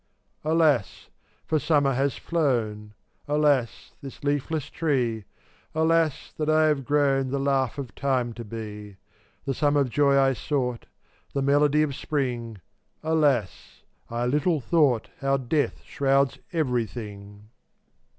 464 Alas ! for Summer has flown, Alas, this leafless tree; Alas, that I have grown The laugh of time to be. The sum of joy I sought, The melody of spring; Alas, I little thought How death shrouds everything.